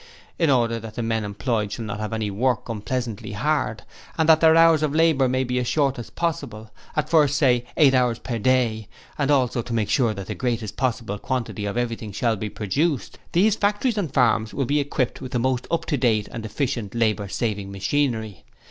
In order that the men employed shall not have to work unpleasantly hard, and that their hours of labour may be as short as possible at first, say, eight hours per day and also to make sure that the greatest possible quantity of everything shall be produced, these factories and farms will be equipped with the most up to date and efficient labour saving machinery.